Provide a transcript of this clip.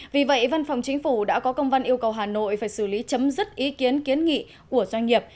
vì vậy văn phòng chính phủ đã có công văn yêu cầu hà nội phải xử lý chấm dứt ý kiến kiến nghị của doanh nghiệp